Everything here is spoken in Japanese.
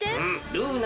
ルーナ